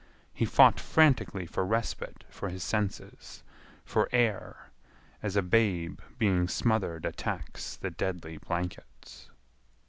He fought frantically for respite for his senses, for air, as a babe being smothered attacks the deadly blankets.